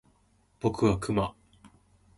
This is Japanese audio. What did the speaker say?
僕はクマ